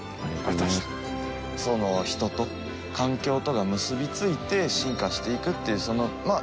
人と環境とが結び付いて進化していくっていうまあ